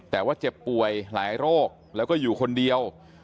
แต่ว่าเจ็บป่วยหลายโรคแล้วก็อยู่คนเดียว